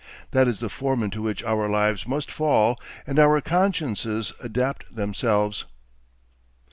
That is the form into which our lives must fall and our consciences adapt themselves.